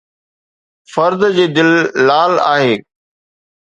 فرد جي دل لال آهي